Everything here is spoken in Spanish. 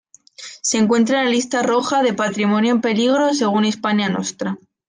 Se encuentra en la Lista roja de patrimonio en peligro según Hispania Nostra.